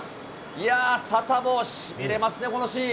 いやー、サタボー、しびれますね、このシーン。